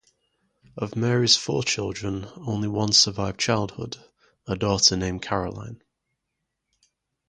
Of Mary's four children, only one survived childhood, a daughter named Caroline.